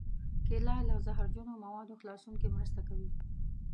کېله له زهرجنو موادو خلاصون کې مرسته کوي.